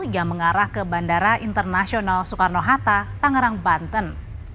yang mengarah ke bandara internasional soekarno hatta tangerang banten